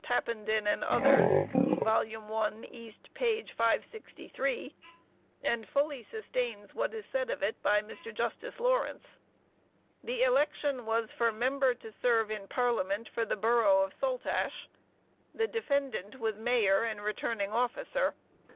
Tappenden and others 1 East 563_, and fully sustains what is said of it by Mr. Justice Lawrence. The election was for member to serve in Parliament for the borough of SALTASH. The defendant was Mayor and returning officer.